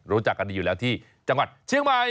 รู้จักกันดีอยู่แล้วที่จังหวัดเชียงใหม่